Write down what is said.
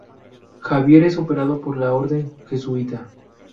Xavier es operado por la Orden jesuita.